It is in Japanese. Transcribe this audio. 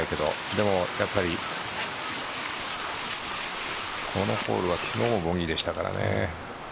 でも、やっぱりこのホールは昨日もボギーでしたからね。